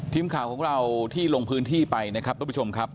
ทีมข่าวของเราที่ลงพื้นที่ไปนะครับทุกผู้ชมครับ